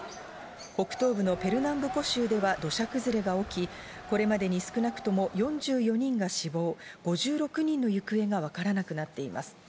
北東部のペルナンブコ州では土砂崩れが起き、これまでに少なくとも４４人が死亡、５６人の行方がわからなくなっています。